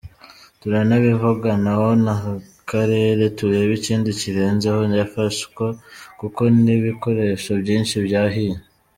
Turanabivuganaho n’Akarere turebe ikindi kirenzeho yafashwa kuko n’ibikoresho byinshi byahiye.